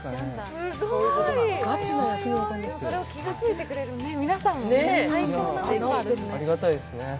それを気がついてくれる皆さんもすごくありがたいですね。